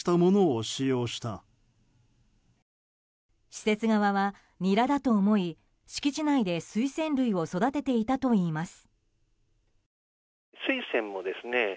施設側はニラだと思い敷地内でスイセン類を育てていたといいます。